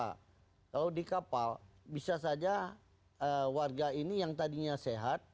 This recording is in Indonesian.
kalau di kapal bisa saja warga ini yang tadinya sehat